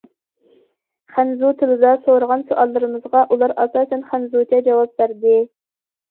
خەنزۇ تىلىدا سورىغان سوئاللىرىمىزغا ئۇلار ئاساسەن خەنزۇچە جاۋاب بەردى.